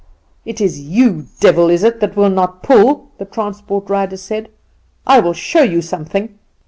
"'It is you, devil, is it, that will not pull?' the transport rider said. 'I will show you something.